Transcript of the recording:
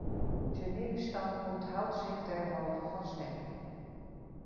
Junilistan onthoudt zich derhalve van stemming.